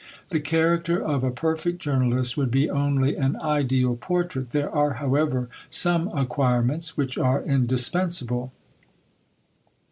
The character of a perfect journalist would be only an ideal portrait; there are, however, some acquirements which are indispensable.